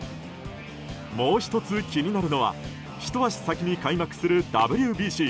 もう１つ気になるのはひと足先に開幕するＷＢＣ。